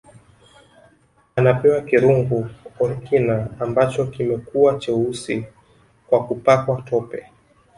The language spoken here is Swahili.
Anapewa kirungu Orikna ambacho kimekuwa cheusi kwa kupakwa tope